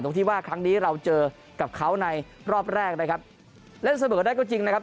ที่ว่าครั้งนี้เราเจอกับเขาในรอบแรกนะครับเล่นเสมอได้ก็จริงนะครับ